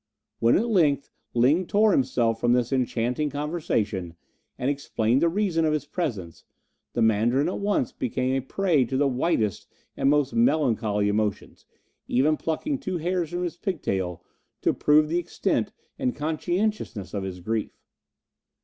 When at length Ling tore himself from this enchanting conversation, and explained the reason of his presence, the Mandarin at once became a prey to the whitest and most melancholy emotions, even plucking two hairs from his pigtail to prove the extent and conscientiousness of his grief.